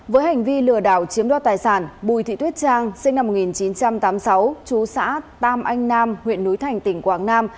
với hành vi lừa đảo chiếm đoạt tài sản bùi thị tuyết trang sinh năm một nghìn chín trăm tám mươi sáu chú xã tam anh nam huyện núi thành tỉnh quảng nam